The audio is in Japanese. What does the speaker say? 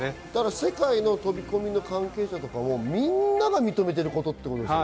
世界の飛び込みの関係者もみんなが認めているってことでしょ？